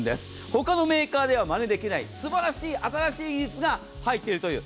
他のメーカーではまねできないすばらしい新しい技術が入っているという。